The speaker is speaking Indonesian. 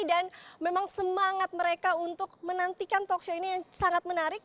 dan memang semangat mereka untuk menantikan talkshow ini yang sangat menarik